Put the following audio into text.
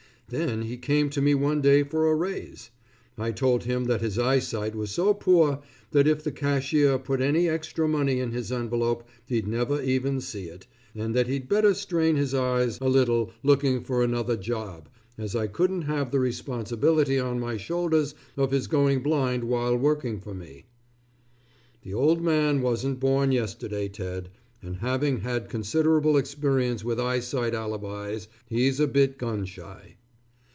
Then he came to me one day for a raise. I told him that his eyesight was so poor, that if the cashier put any extra money in his envelope he'd never even see it, and that he'd better strain his eyes a little looking for another job, as I couldn't have the responsibility on my shoulders of his going blind while working for me. The old man wasn't born yesterday, Ted, and having had considerable experience with eyesight alibis he's a bit gun shy.